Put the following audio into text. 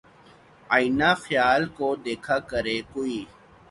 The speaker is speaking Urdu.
آئینۂ خیال کو دیکھا کرے کوئی